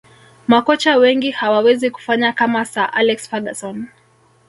makocha wengi hawawezi kufanya kama sir alex ferguson